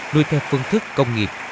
nuôi theo phương thức công nghiệp